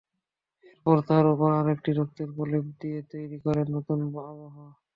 এরপর তার ওপর আরেকটি রঙের প্রলেপ দিয়ে তৈরি করেন নতুন আবহ।